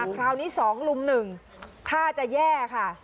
คราวนี้สองลุมหนึ่งท่าจะแย่ค่ะ